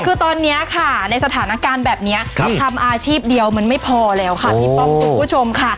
คือตอนนี้ค่ะในสถานการณ์แบบนี้ทำอาชีพเดียวมันไม่พอแล้วค่ะพี่ป้องคุณผู้ชมค่ะ